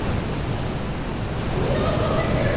何か入ってる！